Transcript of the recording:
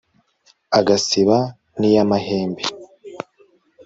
agasiba n'iy'amahembe